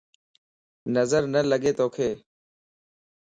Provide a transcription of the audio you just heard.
نظر نه لڳ توک